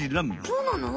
そうなの？